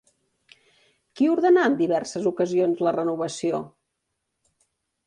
Qui ordenà en diverses ocasions la renovació?